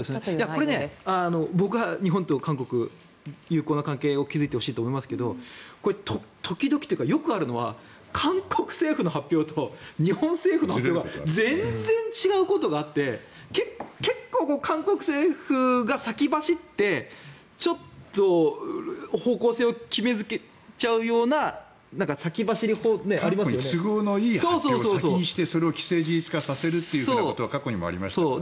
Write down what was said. これ、僕は日本と韓国、友好な関係を築いてほしいと思いますが時々というか、よくあるのは韓国政府の発表と日本政府の発表が全然違うことがあって結構、韓国政府が先走ってちょっと方向性を決めちゃうような都合のいい発表を先にして先にしてそれを既成事実化させるというのは過去にもありましたね。